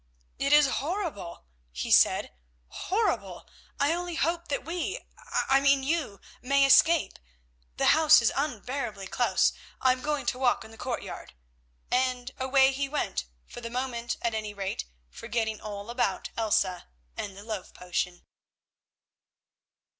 "It is horrible," he said, "horrible. I only hope that we—I mean you—may escape. The house is unbearably close. I am going to walk in the courtyard," and away he went, for the moment, at any rate, forgetting all about Elsa and the love potion.